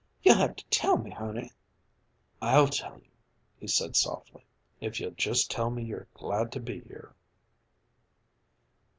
You'll have to tell me, honey." "I'll tell you," he said softly, "if you'll just tell me you're glad to be here."